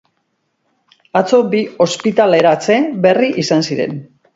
Atzo bi ospitaleratze berri izan ziren.